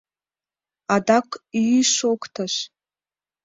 Адак ӱ-ӱ-ӱ! шоктыш.